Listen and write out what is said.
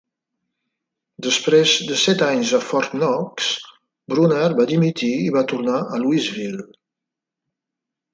Després de set anys a Fort Knox, Bruner va dimitir i va tornar a Louisville.